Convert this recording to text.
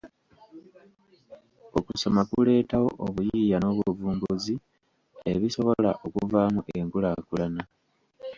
Okusoma kuleetawo obuyiiya n'obuvumbuzi ebisobola okuvaamu enkulaakulana.